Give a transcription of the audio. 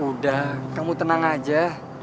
udah kamu tenang aja